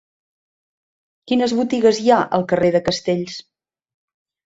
Quines botigues hi ha al carrer de Castells?